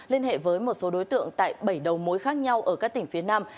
liên hệ với một số đối tượng tại bảy đầu mối khác nhau ở các tỉnh phía nam